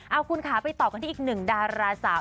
เอาคุณค่ะไปต่อกันที่อีกหนึ่งดาราสาว